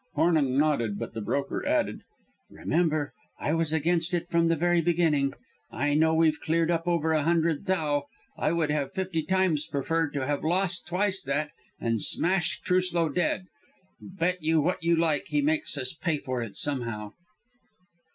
Hornung nodded; but the broker added: "Remember, I was against it from the very beginning. I know we've cleared up over a hundred thou'. I would have fifty times preferred to have lost twice that and smashed Truslow dead. Bet you what you like he makes us pay for it somehow."